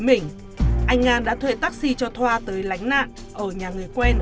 mình anh an đã thuê taxi cho thoa tới lánh nạn ở nhà người